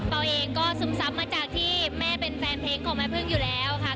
เองก็ซึมซับมาจากที่แม่เป็นแฟนเพลงของแม่พึ่งอยู่แล้วค่ะ